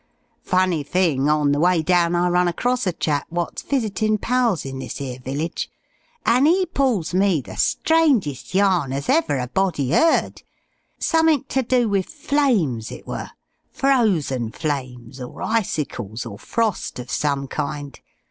Funny thing, on the way down I run across a chap wot's visitin' pals in this 'ere village, and 'e pulls me the strangest yarn as ever a body 'eard. Summink to do wiv flames it were Frozen Flames or icicles or frost of some kind.